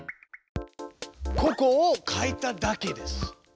ここを変えただけです。